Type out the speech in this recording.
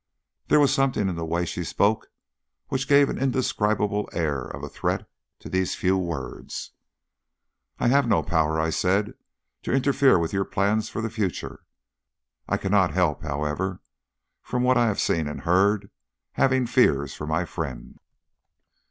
There was something in the way she spoke which gave an indescribable air of a threat to these few words. "I have no power," I said, "to interfere with your plans for the future. I cannot help, however, from what I have seen and heard, having fears for my friend."